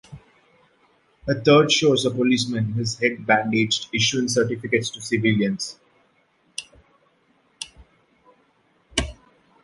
A third shows a policeman, his head bandaged, issuing certificates to civilians.